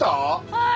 はい。